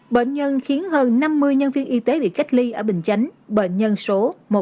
bệnh nhân khiến hơn năm mươi nhân viên y tế bị cách ly ở bình chánh bệnh nhân số một trăm một mươi